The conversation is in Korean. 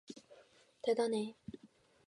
대단해!